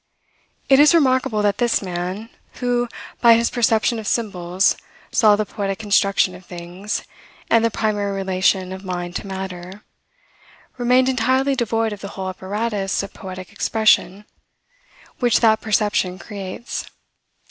It is remarkable that this man, who, by his perception of symbols, saw the poetic construction of things, and the primary relation of mind to matter, remained entirely devoid of the whole apparatus of poetic expression, which that perception creates.